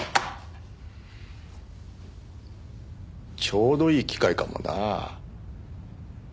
ちょうどいい機会かもな。